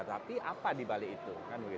tapi apa di balik itu